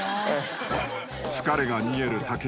［疲れが見える竹山］